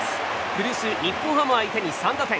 古巣・日本ハムを相手に３打点。